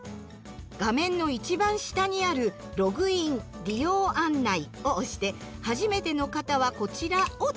画面の一番下にある「ログイン・利用案内」を押して「はじめての方はこちら」をタッチ。